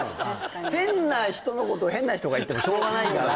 変な人のこと変な人が言ってもしょうがないから